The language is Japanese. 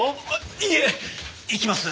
いえ行きます！